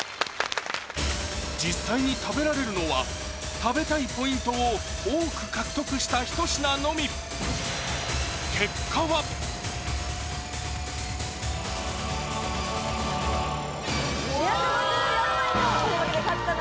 実際に食べられるのは食べたいポイントを多く獲得したひと品のみ２５４ポイント！